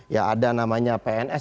ya ada namanya pns atau ses